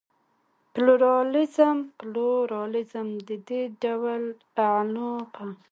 پلورالېزم د دې ډول اعلو پر وړاندې درېږي.